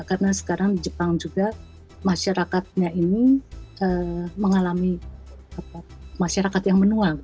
karena sekarang jepang juga masyarakatnya ini mengalami masyarakat yang menua